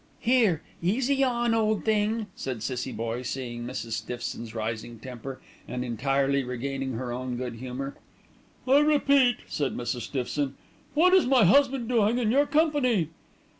"Here, easy on, old thing!" said Cissie Boye, seeing Mrs. Stiffson's rising temper, and entirely regaining her own good humour. "I repeat," said Mrs. Stiffson, "what is my husband doing in your company?"